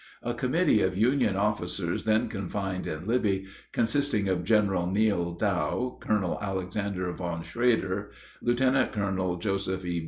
A committee of Union officers then confined in Libby, consisting of General Neal Dow, Colonel Alexander von Shrader, Lieut. Colonel Joseph F.